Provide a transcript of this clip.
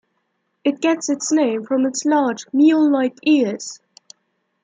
It gets its name from its large mule-like ears.